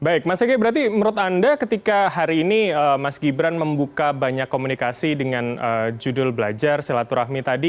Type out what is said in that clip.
baik mas ege berarti menurut anda ketika hari ini mas gibran membuka banyak komunikasi dengan judul belajar silaturahmi tadi